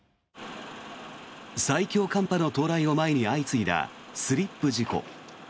最強寒波の到来を前に相次いだスリップ事故。